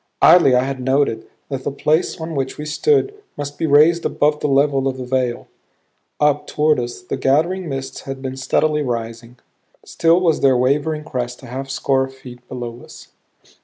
Idly I had noted that the place on which we stood must be raised above the level of the vale. Up toward us the gathering mists had been steadily rising; still was their wavering crest a half score feet below us.